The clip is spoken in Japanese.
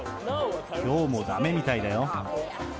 きょうもだめみたいだよ。